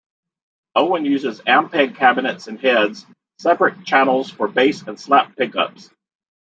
Owen uses Ampeg cabinets and heads, separate channels for bass and slap pickups.